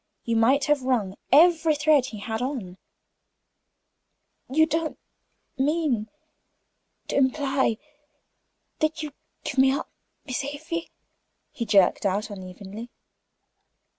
You might have wrung every thread he had on. "You don't mean to imply that you give me up Miss Afy?" he jerked out, unevenly.